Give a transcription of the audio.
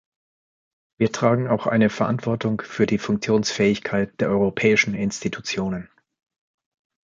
Wir tragen auch eine Verantwortung für die Funktionsfähigkeit der europäischen Institutionen.